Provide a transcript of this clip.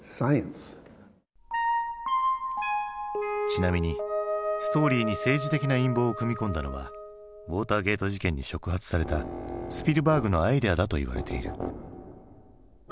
ちなみにストーリーに政治的な陰謀を組み込んだのはウォーターゲート事件に触発されたスピルバーグのアイデアだといわれている。